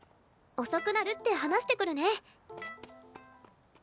遅くなるって話してくるね。